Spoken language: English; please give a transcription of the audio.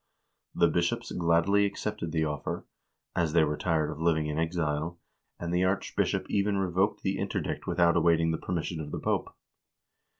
The bishops gladly accepted the offer, as they were tired of living in exile, and the archbishop even revoked the interdict without awaiting the permission of the Pope.